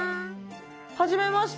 はじめまして。